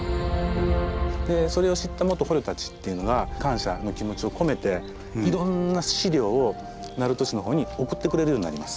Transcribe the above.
それを知った元捕虜たちっていうのが感謝の気持ちを込めていろんな資料を鳴門市の方に送ってくれるようになります。